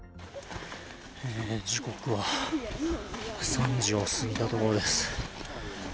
時刻は３時を過ぎたところです。